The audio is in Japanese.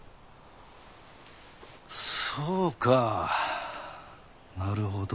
そうかなるほど。